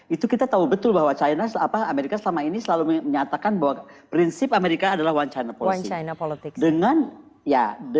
itu kita tahu betul bahwa amerika selama ini selalu menyatakan bahwa prinsip amerika adalah one china policy